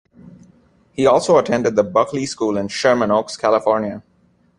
He also attended The Buckley School in Sherman Oaks, California.